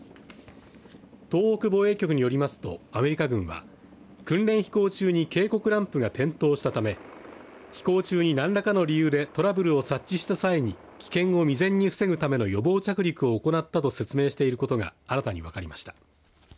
東北防衛局によりますとアメリカ軍は、訓練飛行中に警告ランプが点灯したため飛行中に何らかの理由でトラブルを察知した際に危険を未然に防ぐための予防着陸を行ったと説明していることが新たに分かりました。